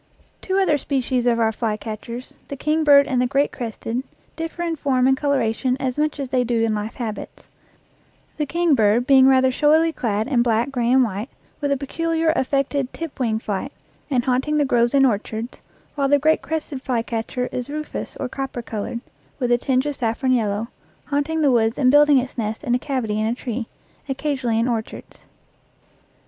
Two other species of our flycatchers, the kingbird and the great crested, differ in form and coloration as much as they do in life habits the kingbird being rather showily clad in black, gray, and white, with a peculiar, affected, tip wing flight, and haunt ing the groves and orchards, while the great crested flycatcher is rufous or copper colored, with a tinge of saffron yellow, haunting the woods and building its nest in a cavity in a tree, occasionally in or chards.